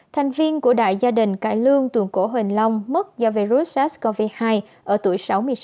thành viên của đại gia đình cải lương tuồng cổ huỳnh long mất do virus sars cov hai ở tuổi sáu mươi sáu